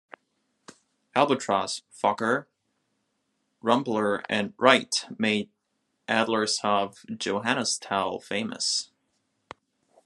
Albatros, Fokker, Rumpler and Wright made Adlershof-Johannisthal famous.